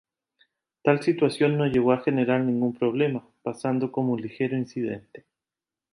Tal situación no llegó a generar ningún problema, pasando como un ligero incidente.